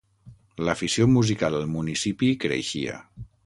L'afició musical al municipi creixia.